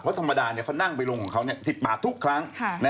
เพราะธรรมดาเขานั่งไปลงของเขา๑๐บาททุกครั้ง